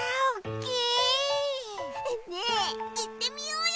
ねえいってみようよ！